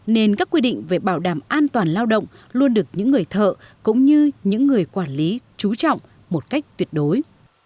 nên các quy định về bảo đảm an toàn lao động luôn được những người thợ cũng như những người quản lý trú trọng một cách tuyệt đối